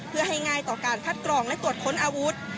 เพื่อให้ง่ายต่อการคัดกรองและตรวจค้นอาวุธ